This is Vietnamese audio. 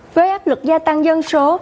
với áp lực gia tăng dân số